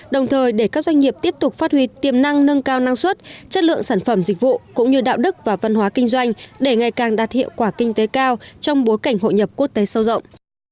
đồng thời để các doanh nghiệp tiếp tục phát huy tiềm năng nâng cao năng suất chất lượng sản phẩm dịch vụ cũng như đạo đức và văn hóa kinh doanh để ngày càng đạt hiệu quả kinh tế cao trong bối cảnh hội nhập quốc tế sâu rộng